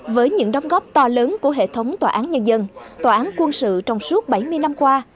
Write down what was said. với những đóng góp to lớn của hệ thống tòa án nhân dân tòa án quân sự trong suốt bảy mươi năm qua